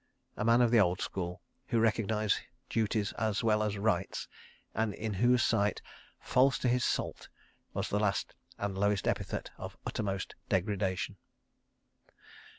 A man of the old school who recognised duties as well as "rights"—and in whose sight "false to his salt" was the last and lowest epithet of uttermost degradation.